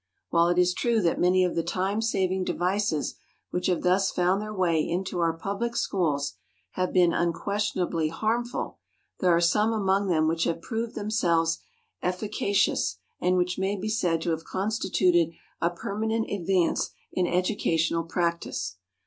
While it is true that many of the time saving devices which have thus found their way into our public schools have been unquestionably harmful, there are some among them which have proved themselves efficacious and which may be said to have constituted a permanent advance in educational practice.